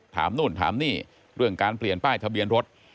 ถามนู่นถามนี่เรื่องการเปลี่ยนป้ายทะเบียนรถ